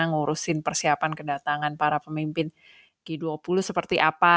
ngurusin persiapan kedatangan para pemimpin g dua puluh seperti apa